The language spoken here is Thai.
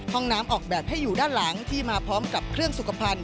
ห้องน้ำออกแบบให้อยู่ด้านหลังที่มาพร้อมกับเครื่องสุขภัณฑ